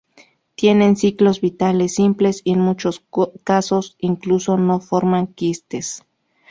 Tienen ciclos vitales simples, y en muchos casos incluso no forman quistes.